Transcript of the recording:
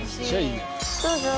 どうぞ。